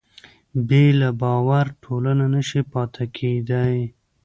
بې له باور ټولنه نهشي پاتې کېدی.